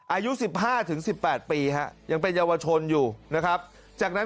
อายุสิบห้าถึงสิบแปดปีฮะยังเป็นเยาวชนอยู่นะครับจากนั้น